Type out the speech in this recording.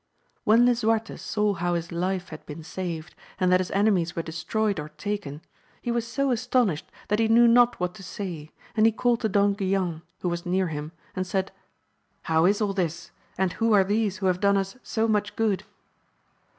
When Lisuarte saw how his life had been saved, and that his enemies were destroyed or taken, he was so astonished that he knew not what to say, and he called to Don Guilan, who was near him, and said, How is all this, and who are these who have done us AMADIS OF GADL. 235 so much good